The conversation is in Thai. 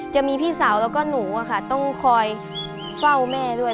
จะมีพี่สาวแล้วก็หนูต้องคอยเฝ้าแม่ด้วย